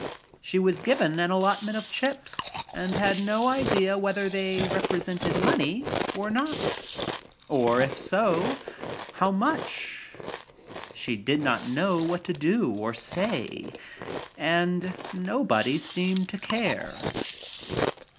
She was given an allotment of chips and had no idea whether they represented money or not, or PARTIES 29 if so, how much. She did not know what to do or say and nobody seemed to care.